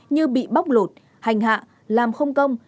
như bị bóc lột hành hạ làm không công